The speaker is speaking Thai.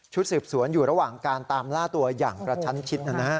สืบสวนอยู่ระหว่างการตามล่าตัวอย่างกระชั้นชิด